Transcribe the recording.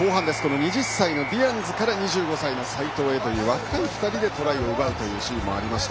２０歳のディアンズから２５歳、齋藤へという若い２人でトライを奪うシーンもありました。